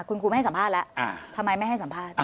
คุณครูไม่ให้สัมภาษณ์แล้วทำไมไม่ให้สัมภาษณ์